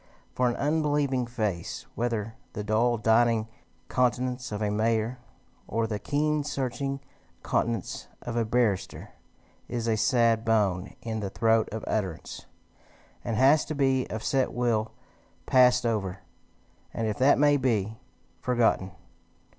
For an unbelieving face, whether the dull dining countenance of a mayor, or the keen searching countenance of a barrister, is a sad bone in the throat of utterance, and has to be of set will passed over, and, if that may be, forgotten.